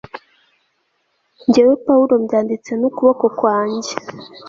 jyewe pawulo mbyanditse n'ukuboko kwanjye